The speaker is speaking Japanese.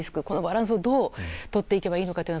このバランスをどうとっていけばいいのか。